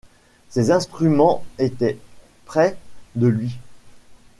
Ses instruments étaient près de lui.